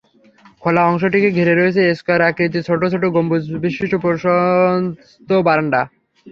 খোলা অংশটিকে ঘিরে রয়েছে স্কয়ার আকৃতির ছোট ছোট গম্বুজবিশিষ্ট প্রশস্ত বারান্দা।